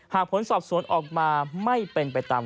ผลสอบสวนออกมาไม่เป็นไปตาม